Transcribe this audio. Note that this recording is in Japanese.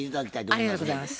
ありがとうございます。